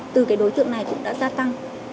từ cái đối tượng này cũng đã gia tăng